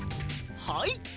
はい。